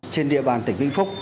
trên địa bàn tỉnh vĩnh phúc